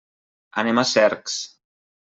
Anem a Cercs.